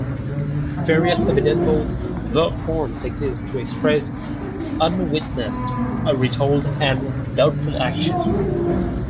Various evidential verb forms exist to express unwitnessed, retold, and doubtful action.